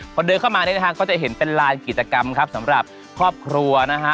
พอเดินเข้ามาเนี่ยนะฮะก็จะเห็นเป็นลานกิจกรรมครับสำหรับครอบครัวนะฮะ